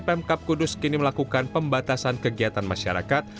pemkap kudus kini melakukan pembatasan kegiatan masyarakat